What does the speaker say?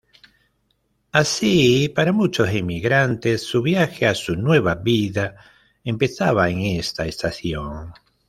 Así, para muchos emigrantes su viaje a su "nueva vida" empezaba en esta estación.